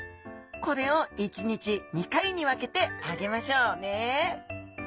これを１日２回に分けてあげましょうね。